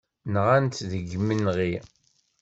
Nɣan-t deg yimenɣi.